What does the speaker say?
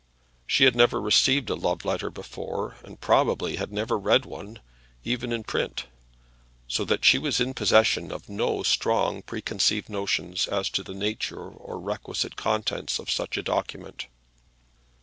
She had never received a love letter before, and probably had never read one, even in print; so that she was in possession of no strong preconceived notions as to the nature or requisite contents of such a document.